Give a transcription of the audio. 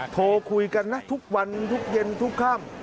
โทรคุยกันนะทุกวันทุกเย็นทุกค่ำ